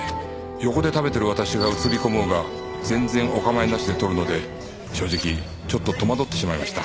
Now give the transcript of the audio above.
横で食べてる私が写り込もうが全然お構いなしで撮るので正直ちょっと戸惑ってしまいました。